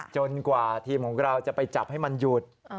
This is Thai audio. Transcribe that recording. กว่าทีมของเราจะไปจับให้มันหยุด